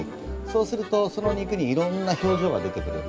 そうするとその肉に色んな表情が出てくるんで。